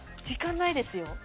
時間ないですよ。